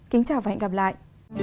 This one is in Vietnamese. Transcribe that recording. kính chào và hẹn gặp lại